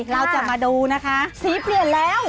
เราจะมาดูนะคะสีเปลี่ยนแล้ว